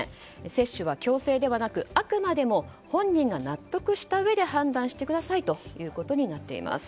接種は強制ではなくあくまでも本人が納得したうえで判断してくださいということになっています。